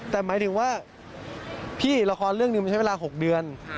แต่หมายถึงว่าพี่ละครเรื่องหนึ่งมันใช้เวลา๖เดือน